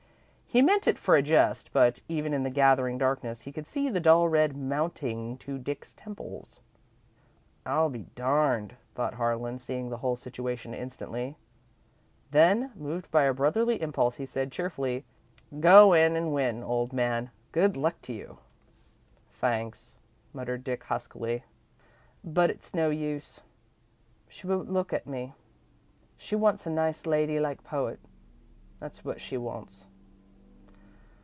He meant it for a jest, but even in the gathering darkness, he could see the dull red mounting to Dick's temples. "I'll be darned," thought Harlan, seeing the whole situation instantly. Then, moved by a brotherly impulse, he said, cheerfully: "Go in and win, old man. Good luck to you!" "Thanks," muttered Dick, huskily, "but it's no use. She won't look at me. She wants a nice lady like poet, that's what she wants."